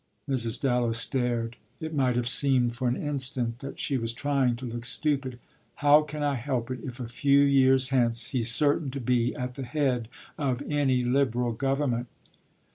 Mrs. Dallow stared; it might have seemed for an instant that she was trying to look stupid. "How can I help it if a few years hence he's certain to be at the head of any Liberal Government?"